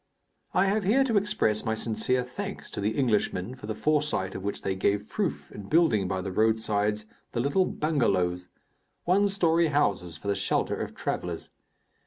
I have here to express my sincere thanks to the Englishmen for the foresight of which they gave proof in building by the roadsides the little bengalows one story houses for the shelter of travellers.